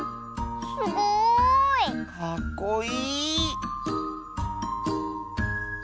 すごい！かっこいい！